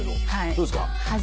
どうですか？